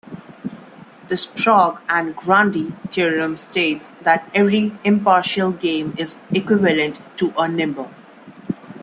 The Sprague-Grundy theorem states that every impartial game is equivalent to a nimber.